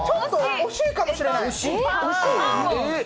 惜しいかもしれない。